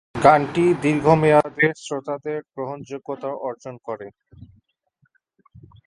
গানটি দীর্ঘমেয়াদে শ্রোতাদের গ্রহণযোগ্যতা অর্জন করে।